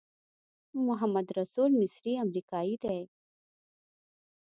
محمدرسول مصری امریکایی دی.